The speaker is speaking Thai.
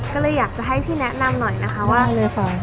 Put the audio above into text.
ก็เลยอยากจะให้พี่แนะนำหน่อยนะคะว่าเนยฟอง